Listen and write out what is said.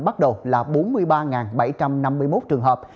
bắt đầu là bốn mươi ba bảy trăm năm mươi một trường hợp